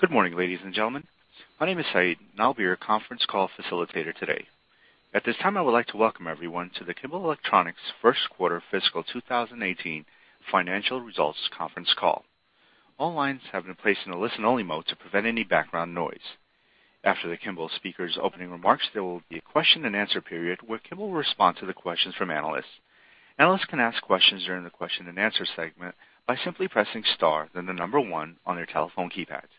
Good morning, ladies and gentlemen. My name is Saeed, and I'll be your conference call facilitator today. At this time, I would like to welcome everyone to the Kimball Electronics first quarter fiscal 2018 financial results conference call. All lines have been placed in a listen-only mode to prevent any background noise. After the Kimball speakers' opening remarks, there will be a question and answer period where Kimball will respond to the questions from analysts. Analysts can ask questions during the question and answer segment by simply pressing star, then the number one on their telephone keypads.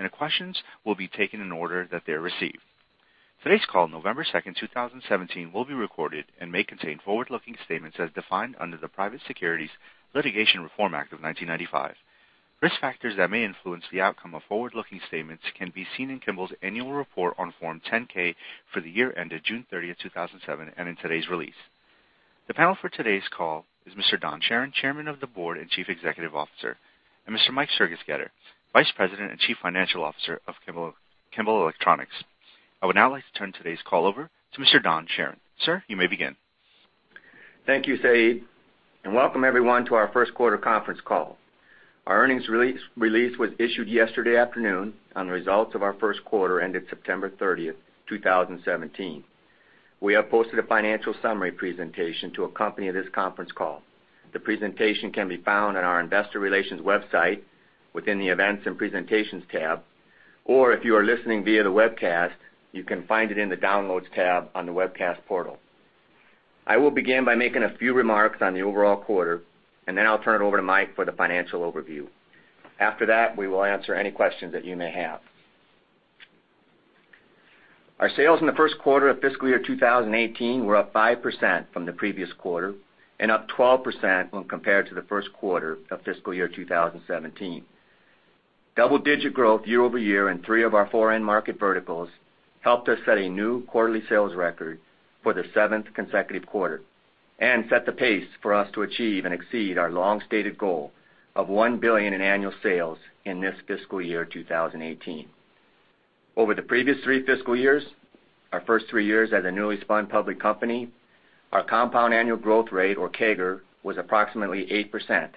The questions will be taken in the order that they are received. Today's call, November 2nd, 2017, will be recorded and may contain forward-looking statements as defined under the Private Securities Litigation Reform Act of 1995. Risk factors that may influence the outcome of forward-looking statements can be seen in Kimball's annual report on Form 10-K for the year ended June 30, 2017, and in today's release. The panel for today's call is Mr. Don Charron, Chairman of the Board and Chief Executive Officer, and Mr. Michael Sergesketter, Vice President and Chief Financial Officer of Kimball Electronics. I would now like to turn today's call over to Mr. Don Charron. Sir, you may begin. Thank you, Saeed, and welcome everyone to our first quarter conference call. Our earnings release was issued yesterday afternoon on the results of our first quarter ended September 30, 2017. We have posted a financial summary presentation to accompany this conference call. The presentation can be found on our investor relations website within the Events and Presentations tab, or if you are listening via the webcast, you can find it in the Downloads tab on the webcast portal. I will begin by making a few remarks on the overall quarter, and then I'll turn it over to Mike for the financial overview. After that, we will answer any questions that you may have. Our sales in the first quarter of fiscal year 2018 were up 5% from the previous quarter and up 12% when compared to the first quarter of fiscal year 2017. Double-digit growth year-over-year in three of our four end market verticals helped us set a new quarterly sales record for the seventh consecutive quarter and set the pace for us to achieve and exceed our long-stated goal of $1 billion in annual sales in this fiscal year 2018. Over the previous three fiscal years, our first three years as a newly spun public company, our compound annual growth rate, or CAGR, was approximately 8%,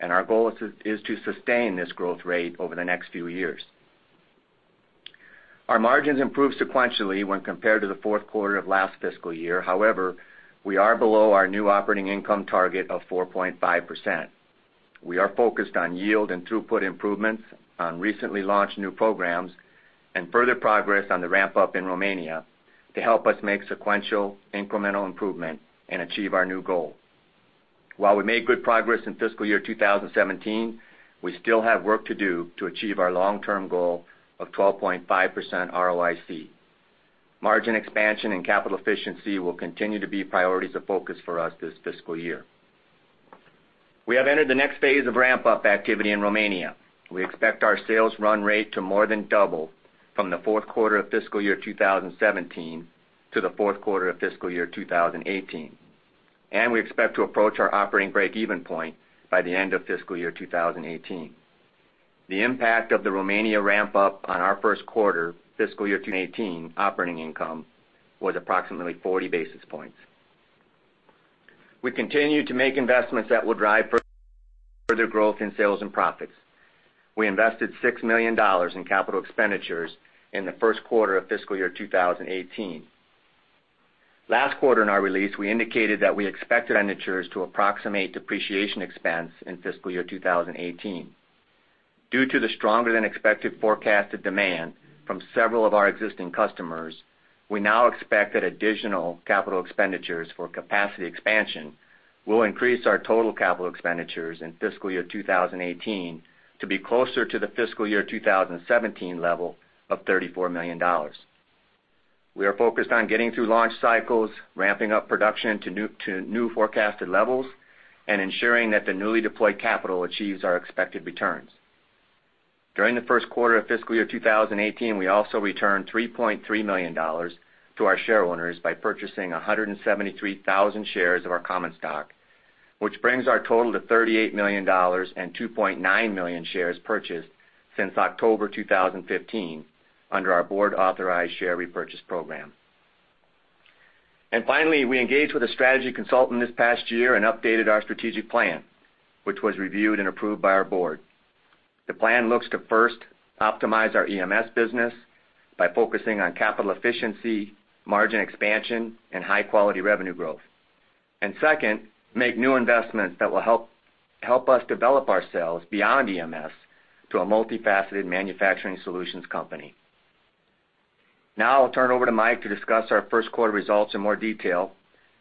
and our goal is to sustain this growth rate over the next few years. Our margins improved sequentially when compared to the fourth quarter of last fiscal year. However, we are below our new operating income target of 4.5%. We are focused on yield and throughput improvements on recently launched new programs and further progress on the ramp-up in Romania to help us make sequential incremental improvement and achieve our new goal. While we made good progress in fiscal year 2017, we still have work to do to achieve our long-term goal of 12.5% ROIC. Margin expansion and capital efficiency will continue to be priorities of focus for us this fiscal year. We have entered the next phase of ramp-up activity in Romania. We expect our sales run rate to more than double from the fourth quarter of fiscal year 2017 to the fourth quarter of fiscal year 2018, and we expect to approach our operating break-even point by the end of fiscal year 2018. The impact of the Romania ramp-up on our first quarter fiscal year 2018 operating income was approximately 40 basis points. We continue to make investments that will drive further growth in sales and profits. We invested $6 million in capital expenditures in the first quarter of fiscal year 2018. Last quarter, in our release, we indicated that we expected expenditures to approximate depreciation expense in fiscal year 2018. Due to the stronger than expected forecasted demand from several of our existing customers, we now expect that additional capital expenditures for capacity expansion will increase our total capital expenditures in fiscal year 2018 to be closer to the fiscal year 2017 level of $34 million. We are focused on getting through launch cycles, ramping up production to new forecasted levels, and ensuring that the newly deployed capital achieves our expected returns. During the first quarter of fiscal year 2018, we also returned $3.3 million to our shareholders by purchasing 173,000 shares of our common stock, which brings our total to $38 million and 2.9 million shares purchased since October 2015 under our board-authorized share repurchase program. Finally, we engaged with a strategy consultant this past year and updated our strategic plan, which was reviewed and approved by our board. The plan looks to first optimize our EMS business by focusing on capital efficiency, margin expansion, and high-quality revenue growth. Second, make new investments that will help us develop our sales beyond EMS to a multifaceted manufacturing solutions company. Now I'll turn it over to Mike to discuss our first quarter results in more detail.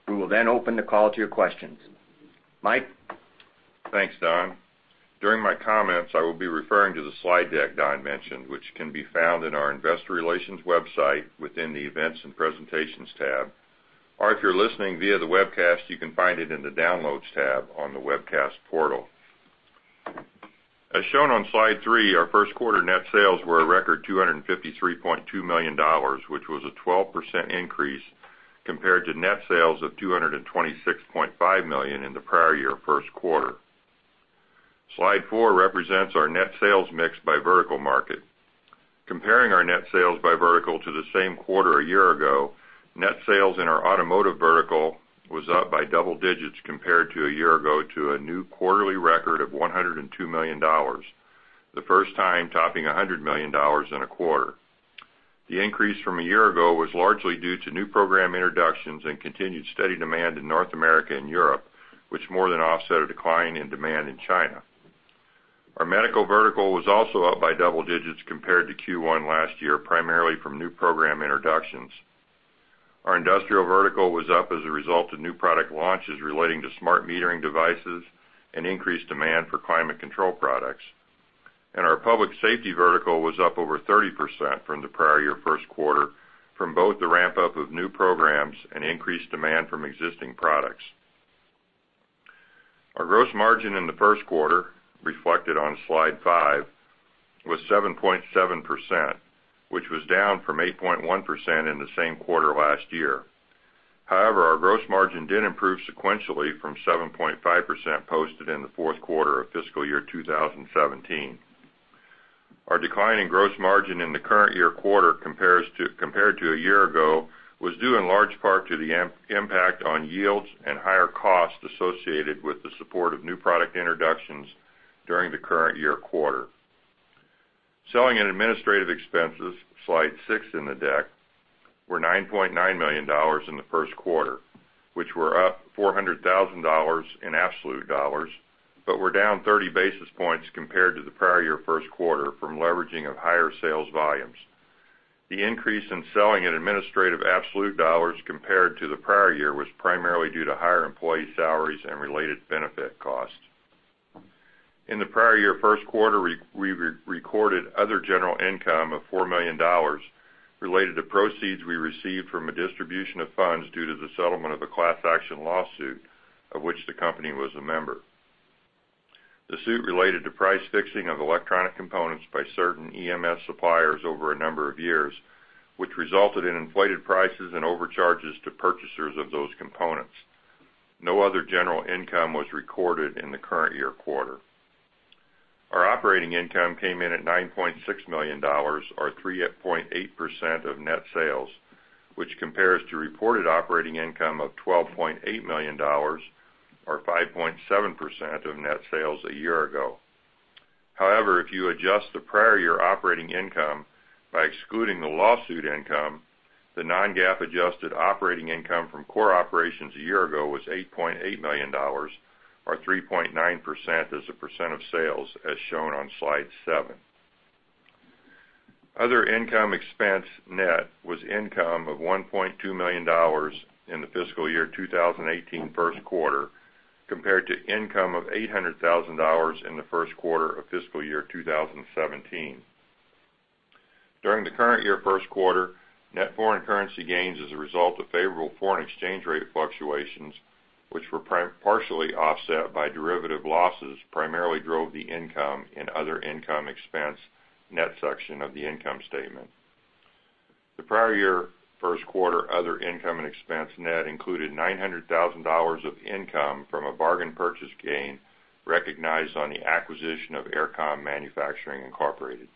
We will then open the call to your questions. Mike? Thanks, Don. During my comments, I will be referring to the slide deck Don mentioned, which can be found on our investor relations website within the Events and Presentations tab. If you're listening via the webcast, you can find it in the Downloads tab on the webcast portal. As shown on slide three, our first quarter net sales were a record $253.2 million, which was a 12% increase compared to net sales of $226.5 million in the prior year first quarter. Slide four represents our net sales mix by vertical market. Comparing our net sales by vertical to the same quarter a year ago, net sales in our automotive vertical was up by double digits compared to a year ago to a new quarterly record of $102 million, the first time topping $100 million in a quarter. The increase from a year ago was largely due to new program introductions and continued steady demand in North America and Europe, which more than offset a decline in demand in China. Our medical vertical was also up by double digits compared to Q1 last year, primarily from new program introductions. Our industrial vertical was up as a result of new product launches relating to smart metering devices and increased demand for climate control products. Our public safety vertical was up over 30% from the prior year first quarter from both the ramp-up of new programs and increased demand from existing products. Our gross margin in the first quarter, reflected on slide five, was 7.7%, which was down from 8.1% in the same quarter last year. However, our gross margin did improve sequentially from 7.5% posted in the fourth quarter of fiscal year 2017. Our decline in gross margin in the current year quarter compared to a year ago was due in large part to the impact on yields and higher costs associated with the support of new product introductions during the current year quarter. Selling and administrative expenses, slide six in the deck, were $9.9 million in the first quarter, which were up $400,000 in absolute dollars, but were down 30 basis points compared to the prior year first quarter from leveraging of higher sales volumes. The increase in selling and administrative absolute dollars compared to the prior year was primarily due to higher employee salaries and related benefit costs. In the prior year first quarter, we recorded other general income of $4 million related to proceeds we received from a distribution of funds due to the settlement of a class action lawsuit of which the company was a member. The suit related to price fixing of electronic components by certain EMS suppliers over a number of years, which resulted in inflated prices and overcharges to purchasers of those components. No other general income was recorded in the current year quarter. Our operating income came in at $9.6 million, or 3.8% of net sales, which compares to reported operating income of $12.8 million, or 5.7% of net sales a year ago. However, if you adjust the prior year operating income by excluding the lawsuit income, the non-GAAP adjusted operating income from core operations a year ago was $8.8 million, or 3.9% as a percent of sales, as shown on slide seven. Other income expense net was income of $1.2 million in the fiscal year 2018 first quarter, compared to income of $800,000 in the first quarter of fiscal year 2017. During the current year first quarter, net foreign currency gains as a result of favorable foreign exchange rate fluctuations, which were partially offset by derivative losses, primarily drove the income in other income expense net section of the income statement. The prior year first quarter other income and expense net included $900,000 of income from a bargain purchase gain recognized on the acquisition of Aircom Manufacturing, Inc.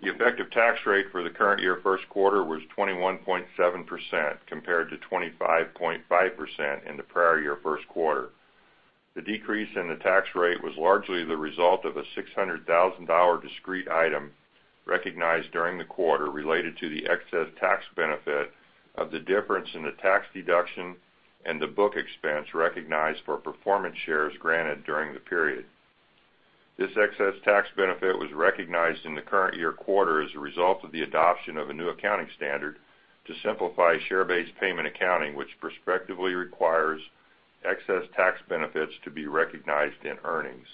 The effective tax rate for the current year first quarter was 21.7%, compared to 25.5% in the prior year first quarter. The decrease in the tax rate was largely the result of a $600,000 discrete item recognized during the quarter related to the excess tax benefit of the difference in the tax deduction and the book expense recognized for performance shares granted during the period. This excess tax benefit was recognized in the current year quarter as a result of the adoption of a new accounting standard to simplify share-based payment accounting, which prospectively requires excess tax benefits to be recognized in earnings.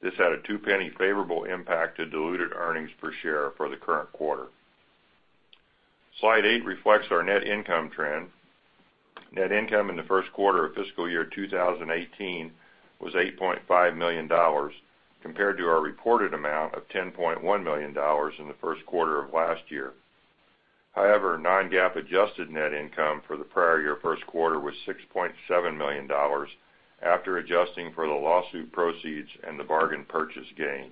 This had a $0.02 favorable impact to diluted earnings per share for the current quarter. Slide eight reflects our net income trend. Net income in the first quarter of fiscal year 2018 was $8.5 million, compared to our reported amount of $10.1 million in the first quarter of last year. However, non-GAAP adjusted net income for the prior year first quarter was $6.7 million after adjusting for the lawsuit proceeds and the bargain purchase gain.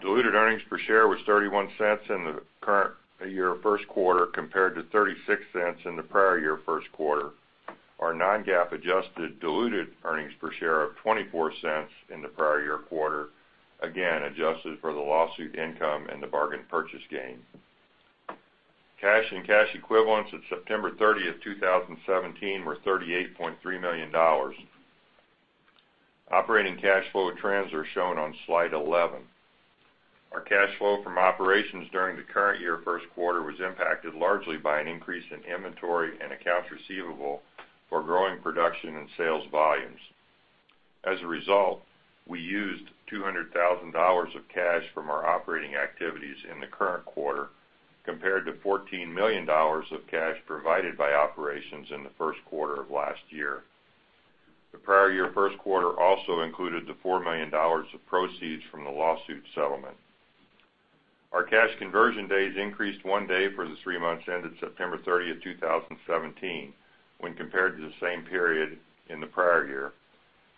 Diluted earnings per share was $0.31 in the current year first quarter, compared to $0.36 in the prior year first quarter. Our non-GAAP adjusted diluted earnings per share of $0.24 in the prior year quarter, again, adjusted for the lawsuit income and the bargain purchase gain. Cash and cash equivalents at September 30, 2017 were $38.3 million. Operating cash flow trends are shown on slide 11. Our cash flow from operations during the current year first quarter was impacted largely by an increase in inventory and accounts receivable for growing production and sales volumes. As a result, we used $200,000 of cash from our operating activities in the current quarter, compared to $14 million of cash provided by operations in the first quarter of last year. The prior year first quarter also included the $4 million of proceeds from the lawsuit settlement. Our cash conversion days increased one day for the three months ended September 30, 2017, when compared to the same period in the prior year,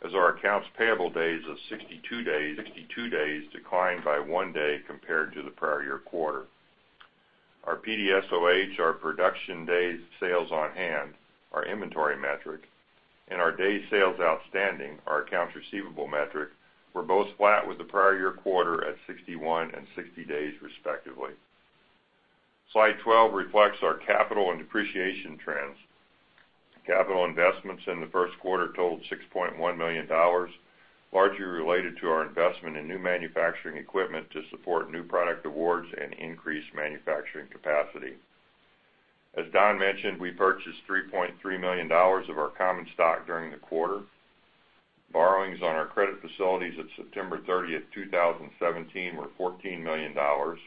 as our accounts payable days of 62 days declined by one day compared to the prior year quarter. Our PDSOH, our production days sales on hand, our inventory metric, and our days sales outstanding, our accounts receivable metric, were both flat with the prior year quarter at 61 and 60 days respectively. Slide 12 reflects our capital and depreciation trends. Capital investments in the first quarter totaled $6.1 million, largely related to our investment in new manufacturing equipment to support new product awards and increased manufacturing capacity. As Don mentioned, we purchased $3.3 million of our common stock during the quarter. Borrowings on our credit facilities at September 30, 2017 were $14 million,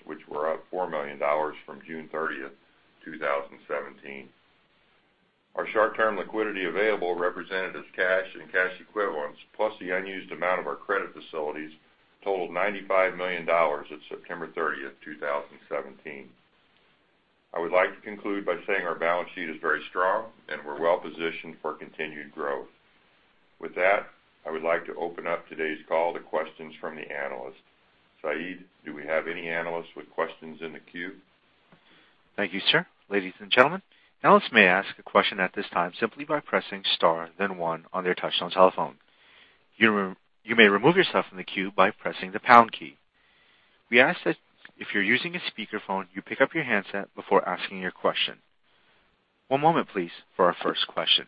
which were up $4 million from June 30, 2017. Our short-term liquidity available, represented as cash and cash equivalents, plus the unused amount of our credit facilities, totaled $95 million at September 30, 2017. I would like to conclude by saying our balance sheet is very strong, and we're well-positioned for continued growth. With that, I would like to open up today's call to questions from the analysts. Saeed, do we have any analysts with questions in the queue? Thank you, sir. Ladies and gentlemen, analysts may ask a question at this time simply by pressing star then one on their touch-tone telephone. You may remove yourself from the queue by pressing the pound key. We ask that if you're using a speakerphone, you pick up your handset before asking your question. One moment please for our first question.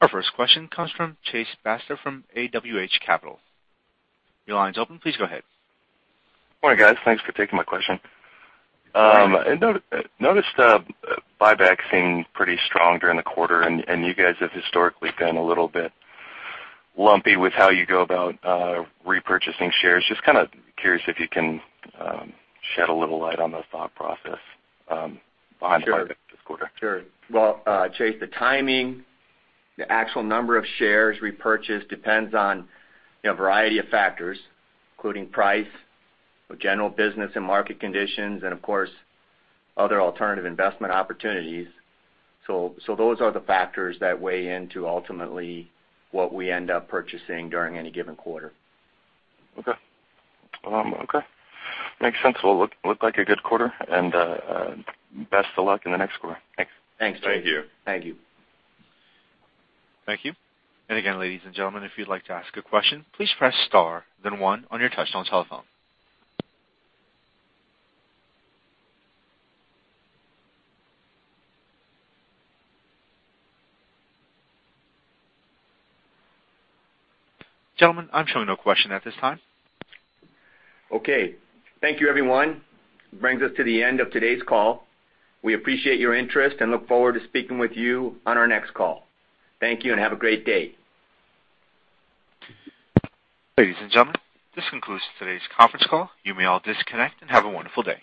Our first question comes from Chase Basta from AWH Capital. Your line's open. Please go ahead. Morning, guys. Thanks for taking my question. Good morning. I noticed buyback seemed pretty strong during the quarter, and you guys have historically been a little bit lumpy with how you go about repurchasing shares. Just kind of curious if you can shed a little light on the thought process behind the buyback this quarter. Sure. Well, Chase, the timing, the actual number of shares repurchased depends on a variety of factors, including price, general business and market conditions, and of course, other alternative investment opportunities. Those are the factors that weigh into ultimately what we end up purchasing during any given quarter. Okay. Makes sense. Well, looked like a good quarter, and best of luck in the next quarter. Thanks. Thanks, Chase. Thank you. Thank you. Thank you. Again, ladies and gentlemen, if you'd like to ask a question, please press star then one on your touch-tone telephone. Gentlemen, I'm showing no question at this time. Okay. Thank you, everyone. That brings us to the end of today's call. We appreciate your interest and look forward to speaking with you on our next call. Thank you and have a great day. Ladies and gentlemen, this concludes today's conference call. You may all disconnect and have a wonderful day.